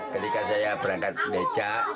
ketika saya berangkat becak